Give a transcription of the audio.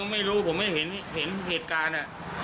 ไม่รู้ผมไม่เห็นเหตุการณ์